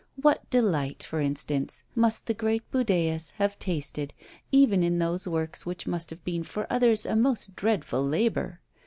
What delight, for instance, must the great Budæus have tasted, even in those works which must have been for others a most dreadful labour!